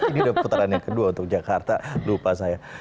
ini udah putarannya kedua untuk jakarta lupa saya